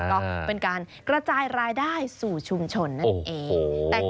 ก็เป็นการกระจายรายได้สู่ชุมชนนั่นเอง